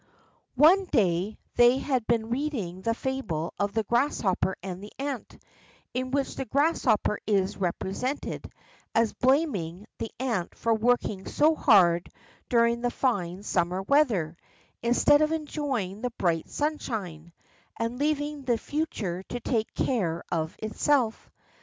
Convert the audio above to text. One day they had been reading the fable of the grasshopper and the ant, in which the grasshopper is represented as blaming the ant for working so hard during the fine summer weather, instead of enjoying the bright sunshine, and leaving the future to take care of itself.